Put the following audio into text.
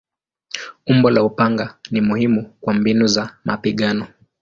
Umbo la upanga ni muhimu kwa mbinu za mapigano.